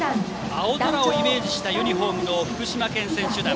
青空をイメージしたユニフォームの福島県選手団。